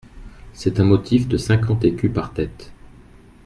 C’est un motif de cinquante écus par tête.